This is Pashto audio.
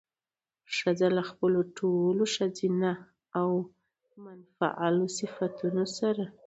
ښځه له خپلو ټولو ښځينه او منفعلو صفتونو سره